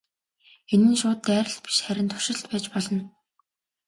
Энэ нь шууд дайралт биш харин туршилт байж болно.